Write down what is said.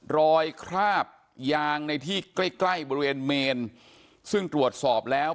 คราบยางในที่ใกล้ใกล้บริเวณเมนซึ่งตรวจสอบแล้ว